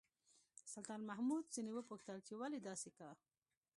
سلطان محمود ځنې وپوښتل چې ولې داسې کا.